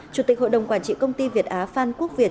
chủ tịch hội đồng quản trị công ty việt á phan quốc việt